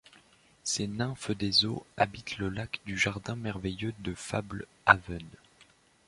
Ces nymphes des eaux habitent le lac du jardin merveilleux de Fablehaven.